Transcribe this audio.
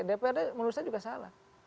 dprd menurut saya juga salah